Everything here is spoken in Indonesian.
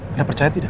anda percaya tidak